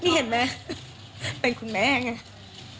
นี่เห็นไหมเป็นคุณแม่อย่างนี้